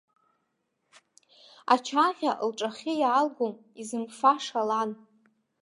Ачаӷьа лҿахьы иаалгом, изымфаша лан!